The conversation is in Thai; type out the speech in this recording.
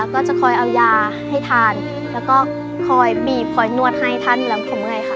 ก็จะคอยเอายาให้ทานแล้วก็คอยบีบคอยนวดให้ท่านแล้วผมไงค่ะ